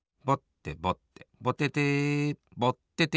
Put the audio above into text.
ぼててぼってて。